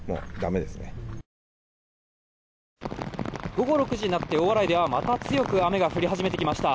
午後６時になって大洗ではまた強く雨が降り始めてきました。